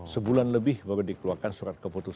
sebulan lebih baru dikeluarkan surat keputusan